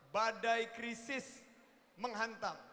badai krisis menghantam